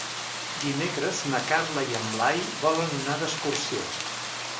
Dimecres na Carla i en Blai volen anar d'excursió.